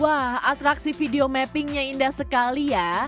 wah atraksi video mappingnya indah sekali ya